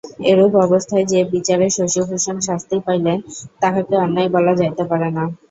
এরূপ অবস্থায় যে বিচারে শশিভূষণ শাস্তি পাইলেন তাহাকে অন্যায় বলা যাইতে পারে না।